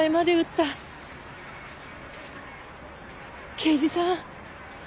刑事さん